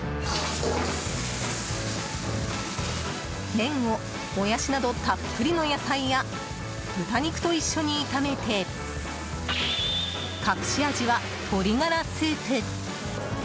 麺を、モヤシなどたっぷりの野菜や豚肉と一緒に炒めて隠し味は鶏ガラスープ！